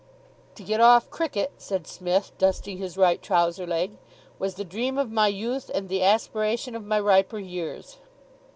To get off cricket," said Psmith, dusting his right trouser leg, "was the dream of my youth and the aspiration of my riper years.